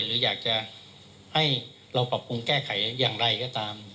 หรืออยากจะให้เราปรับปรุงแก้ไขอย่างไรก็ตาม